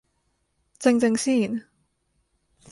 靜靜先